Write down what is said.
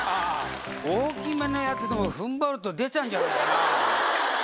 大きめのやつでも、ふんばると出ちゃうんじゃないかな。